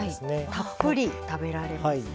たっぷり食べられますね。